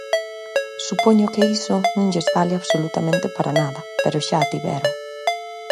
Supoño que iso non lles vale absolutamente para nada, pero xa a tiveron.